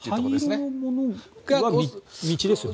灰色のものが道ですよね。